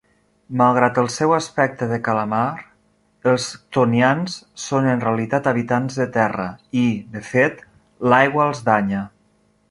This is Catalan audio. Malgrat el seu aspecte de calamar, els chthonians són en realitat habitants de terra i, de fet, l'aigua els danya.